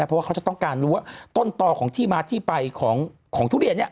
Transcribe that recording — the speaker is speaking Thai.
เพราะว่าเขาจะต้องการรู้ว่าต้นต่อของที่มาที่ไปของทุเรียนเนี่ย